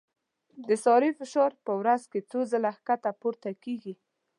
د سارې فشار په ورځ کې څو ځله ښکته پورته کېږي.